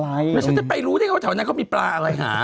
แล้วฉันจะไปรู้ได้ว่าแถวนั้นเขามีปลาอะไรหา